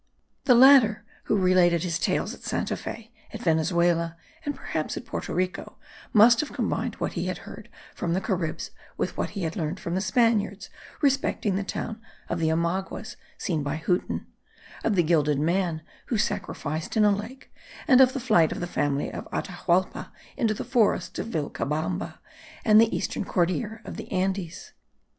The latter, who related his tales at Santa Fe, at Venezuela, and perhaps at Porto Rico, must have combined what he had heard from the Caribs with what he had learned from the Spaniards respecting the town of the Omaguas seen by Huten; of the gilded man who sacrificed in a lake, and of the flight of the family of Atahualpa into the forests of Vilcabamba, and the eastern Cordillera of the Andes.